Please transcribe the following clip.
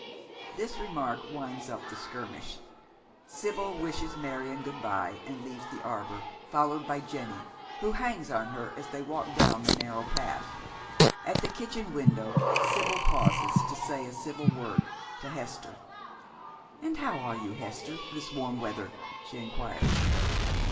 This remark winds up the skirmish, Sibyl wishes Marion good bye, and leaves the arbour, followed by Jenny, who hangs on her as they walk down the narrow path. At the kitchen window Sibyl pauses to say a civil word to Hester. " And how are you, H ester, Uiis warm weather ?" she inquires.